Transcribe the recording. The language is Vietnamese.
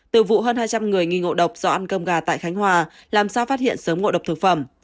từ vụ hơn hai trăm linh người nghi ngộ độc do ăn cơm gà tại khánh hòa làm sao phát hiện sớm ngộ độc thực phẩm